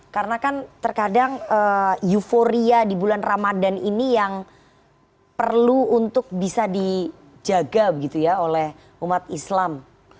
karena kan terkadang euforia di bulan ramadan ini yang perlu untuk bisa dijaga gitu ya oleh umat islam